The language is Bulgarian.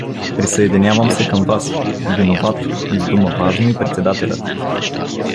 — Присъединявам се към вас: виноват! — издума важно и председателят.